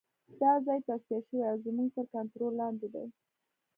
دا ځای تصفیه شوی او زموږ تر کنترول لاندې دی